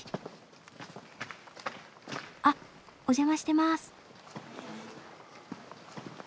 あっお邪魔してます。